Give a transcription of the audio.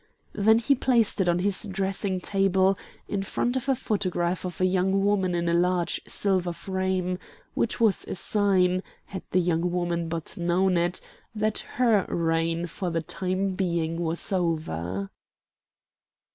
Then he placed it on his dressing table, in front of a photograph of a young woman in a large silver frame which was a sign, had the young woman but known it, that her reign for the time being was over.